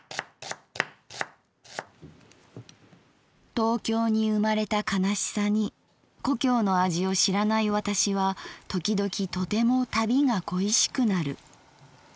「東京に生まれた悲しさに故郷の味を知らない私はときどきとても旅が恋しくなる。